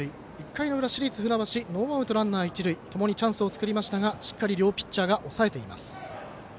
１回の裏、市立船橋ノーアウト、ランナー、一塁ともにチャンスを作りましたがしっかり両ピッチャーが抑えています。